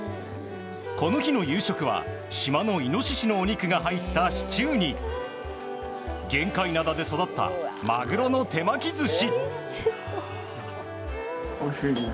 この日の夕食は島のイノシシのお肉が入ったシチューに玄界灘で育ったマグロの手巻き寿司。